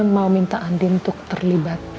mau minta andin untuk terlibat